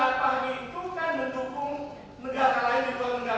ya kan iya